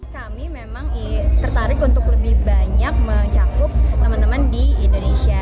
kami memang tertarik untuk lebih banyak mecangkup teman teman di indonesia